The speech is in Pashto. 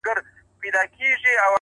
• موږ د جنګونو نغارو ته نڅېدل زده کړي ,